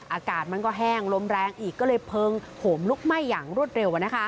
อากาศมันก็แห้งลมแรงอีกก็เลยเพลิงโหมลุกไหม้อย่างรวดเร็ว